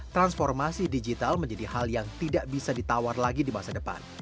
transformasi digital menjadi hal yang tidak bisa ditawar lagi di masa depan